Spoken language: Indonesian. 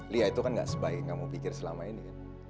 lia itu kan gak sebaik kamu pikir selama ini kan